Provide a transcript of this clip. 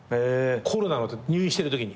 コロナのとき入院してるときに。